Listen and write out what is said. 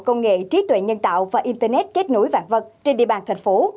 công nghệ trí tuệ nhân tạo và internet kết nối vạn vật trên địa bàn thành phố